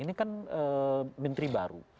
ini kan menteri baru